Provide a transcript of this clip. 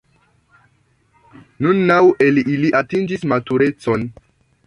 Nun naŭ el ili atingis maturecon.